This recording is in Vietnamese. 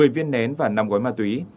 một mươi viên nén và năm gói ma túy